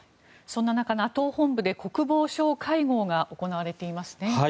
そんな中、ＮＡＴＯ本部で国防相会合が行われていますね。